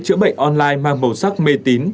chữa bệnh online mang màu sắc mê tín